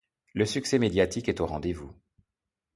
Le succès médiatique est au rendez-vous.